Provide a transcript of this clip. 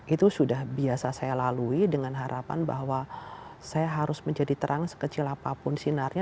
itu sudah biasa saya lalui dengan harapan bahwa saya harus menjadi terang sekecil apapun sinarnya